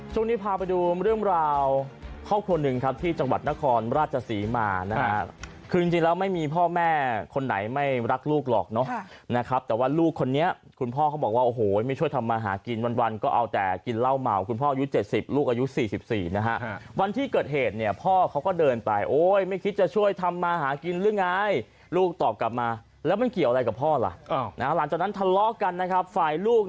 ช่วงนี้พาไปดูเรื่องราวครอบครัวหนึ่งครับที่จังหวัดนครราชศรีมานะครับคือจริงจริงแล้วไม่มีพ่อแม่คนไหนไม่รักลูกหรอกนะครับแต่ว่าลูกคนนี้คุณพ่อเขาบอกว่าโอ้โหไม่ช่วยทำมาหากินวันก็เอาแต่กินเหล้าเหมาคุณพ่ออายุ๗๐ลูกอายุ๔๔นะฮะวันที่เกิดเหตุเนี่ยพ่อเขาก็เดินไปโอ้ยไม่คิดจะช่วยทำมาหากินหร